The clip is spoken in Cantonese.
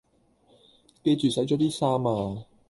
記住洗咗啲衫呀